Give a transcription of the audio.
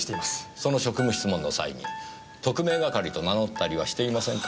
その職務質問の際に特命係と名乗ったりはしていませんか？